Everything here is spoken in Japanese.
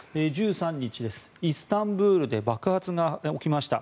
１３日、イスタンブールで爆発が起きました。